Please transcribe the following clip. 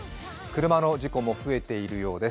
車の事故も増えているようです。